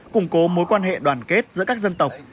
củng cố mối quan hệ đoàn kết giữa các dân tộc